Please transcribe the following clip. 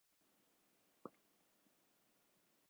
یہ چھوٹا ملک نہیں۔